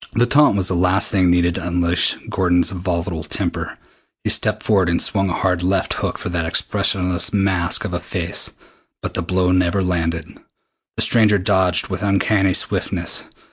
The taunt was the last thing needed to unleash Gordon's volatile temper. He stepped forward and swung a hard left hook for that expressionless masque of a face. But the blow never landed. The stranger dodged with uncanny swiftness.